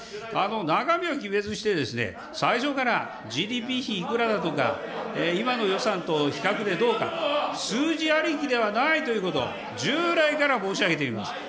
中身を決めずして、最初からＧＤＰ費いくらだとか、今の予算と比較でどうか、数字ありきではないということを、従来から申し上げているんです。